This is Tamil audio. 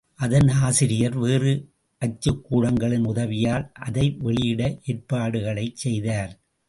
அதன் ஆசிரியர் வேறு அச்சுக்கூடங்களின் உதவியால் அதை வெளியிட ஏற்பாடுகளைச் செய்தார்.